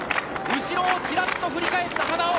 後ろをちらっと振り返った花尾。